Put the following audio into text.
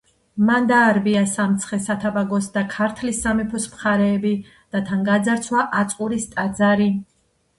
მან დაარბია სამცხე-საათაბაგოსა და ქართლის სამეფოს მხარეები და თან გაძარცვა აწყურის ტაძარი.